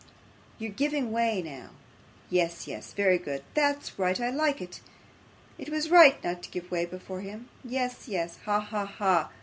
'You're giving way now. Yes, yes, very good; that's right, I like that. It was right not to give way before him. Yes, yes! Ha, ha, ha!